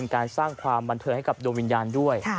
การสร้างความบันเทิงให้กับดวงวิญญาณด้วย